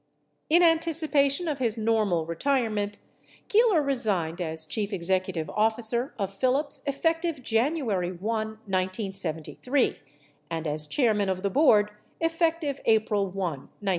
In anticipation of his normal retirement, Keeler resigned as chief executive officer of Phillips effective J anuary 1, 1973, and as chairman of the board effective April 1, 1973.